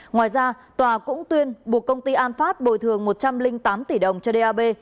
ngoài ra tòa cũng tuyên buộc công ty an phát bồi thường một trăm linh tám tỷ đồng cho dap